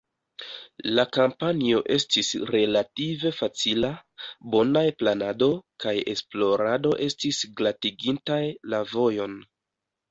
La kampanjo estis relative facila; bonaj planado kaj esplorado estis glatigintaj la vojon.